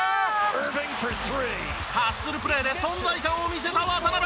ハッスルプレーで存在感を見せた渡邊。